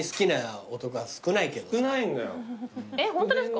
えっホントですか？